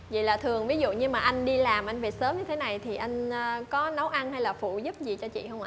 vậy là thường ví dụ như mà anh đi làm anh về sớm như thế này thì anh có nấu ăn hay là phụ giúp gì cho chị không ạ